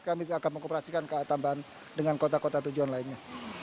kami akan mengoperasikan ka tambahan dengan kota kota tujuan lainnya